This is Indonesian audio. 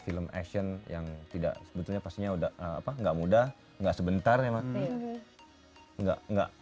film action yang tidak sebetulnya pastinya udah apa nggak mudah nggak sebentar emang nggak nggak